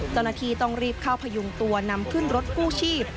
เจ้าหน้าที่ต้องรีบเข้าพยุงตัวนำขึ้นรถกู้ชีพ